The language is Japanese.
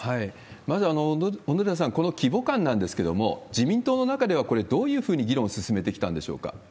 まず小野寺さん、この規模感なんですけれども、自民党の中ではこれ、どういうふうに議論を進めてきたんでしょう